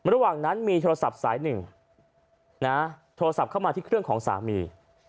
ระหว่างนั้นมีโทรศัพท์สายหนึ่งนะโทรศัพท์เข้ามาที่เครื่องของสามี